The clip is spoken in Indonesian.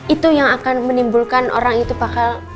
itu yang akan menimbulkan orang itu bakal